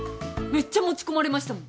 めっちゃ持ち込まれましたもん。